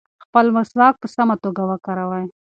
خپل مسواک په سمه توګه وکاروئ.